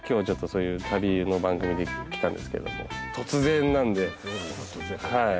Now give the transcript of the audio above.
ちょっとそういう旅の番組で来たんですけども突然なんで。